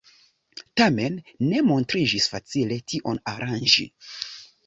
Tamen ne montriĝis facile tion aranĝi.